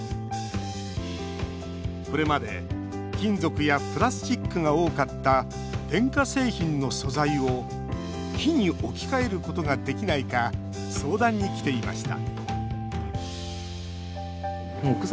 これまで、金属やプラスチックが多かった電化製品の素材を木に置き換えることができないか相談に来ていました